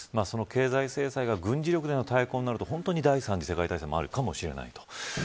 その経済制裁が軍事力への対抗となると第３次世界大戦もあるかもしれない。